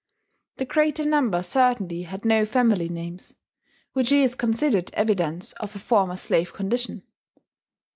The greater number certainly had no family names, which is considered evidence of a former slave condition.